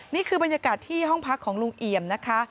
นี่คือบรรยากาศที่ห้องพักของลุงเอี่ยมนะคะ